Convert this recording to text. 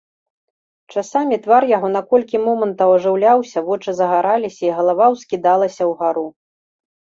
Часамі твар яго на колькі момантаў ажыўляўся, вочы загараліся і галава ўскідалася ўгару.